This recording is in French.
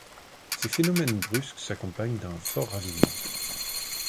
Ces phénomènes brusques s’accompagnent d’un fort ravinement.